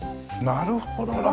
なるほど。